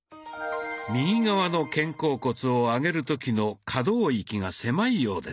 右側の肩甲骨を上げる時の可動域が狭いようです。